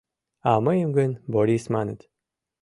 — А мыйым гын Борис маныт.